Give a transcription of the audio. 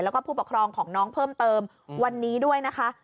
แล้วก็ผู้ปกครองของน้องเพิ่มเติมวันนี้ด้วยนะคะ